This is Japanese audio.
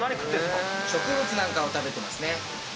なんかを食べてますね。